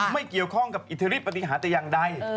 ไม่เกี่ยวข้องกับอิทธิฤทธปฏิหารแต่อย่างใด